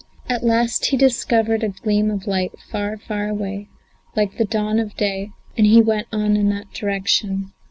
At last he discovered a gleam of light far, far away like the dawn of day, and he went on in that direction.